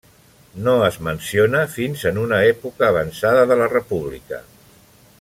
No es menciona fins en una època avançada de la república.